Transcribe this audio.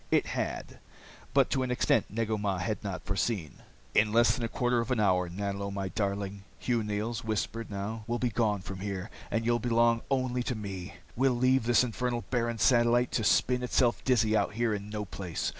It had but to an extent Negu Mah had not foreseen. "In less than a quarter of an hour, Nanlo my darling," Hugh Neils whispered now, "we'll be gone from here, and you'll belong only to me. We'll leave this infernal barren satellite to spin itself dizzy out here in no place.